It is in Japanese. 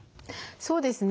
そうですね。